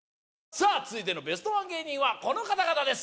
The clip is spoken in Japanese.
さあ続いてのベストワン芸人はこの方々です